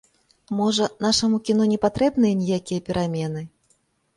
Можа, нашаму кіно не патрэбныя ніякія перамены?